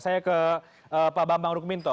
saya ke pak bambang rukminto